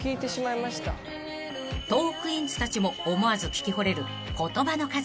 ［トークィーンズたちも思わず聞きほれる言葉の数々］